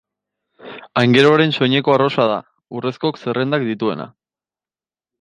Aingeruaren soinekoa arrosa da, urrezko zerrendak dituena.